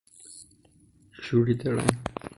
شوریده رنگ